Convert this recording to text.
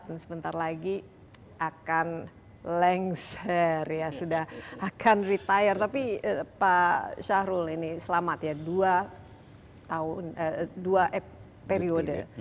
dan sebentar lagi akan lengser akan retire tapi pak syahrul ini selamat ya dua periode